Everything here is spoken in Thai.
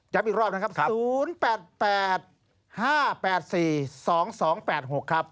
อีกรอบนะครับ๐๘๘๕๘๔๒๒๘๖ครับ